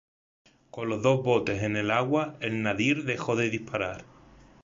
Con los dos botes en el agua, el "Nadir" dejó de disparar.